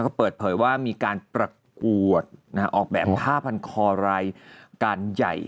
ก็เปิดเผยว่ามีการประกวดออกแบบ๕๐๐๐คอร์ไรการใหญ่